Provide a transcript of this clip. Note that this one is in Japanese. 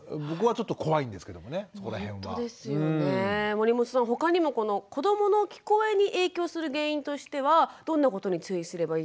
守本さん他にもこの子どもの聞こえに影響する原因としてはどんなことに注意すればいいですか？